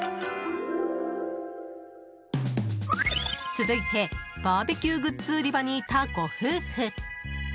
続いてバーベキューグッズ売り場にいたご夫婦。